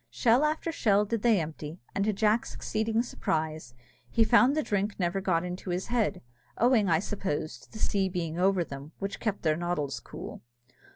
Shell after shell did they empty, and to Jack's exceeding surprise, he found the drink never got into his head, owing, I suppose, to the sea being over them, which kept their noddles cool.